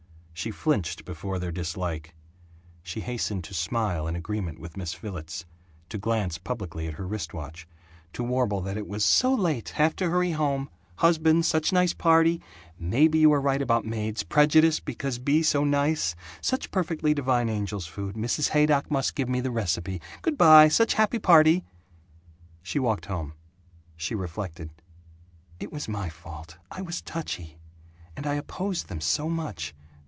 She flinched before their dislike. She hastened to smile in agreement with Miss Villets, to glance publicly at her wrist watch, to warble that it was "so late have to hurry home husband such nice party maybe you were right about maids, prejudiced because Bea so nice such perfectly divine angel's food, Mrs. Haydock must give me the recipe good by, such happy party " She walked home. She reflected, "It was my fault. I was touchy. And I opposed them so much.